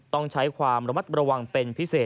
ต้องใช้ความระมัดระวังเป็นพิเศษ